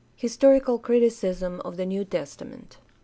Historical criticism of the New Testament.